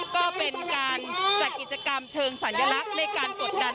ก็เป็นการจัดกิจกรรมเชิงสัญลักษณ์ในการกดดัน